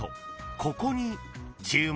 ここに注目］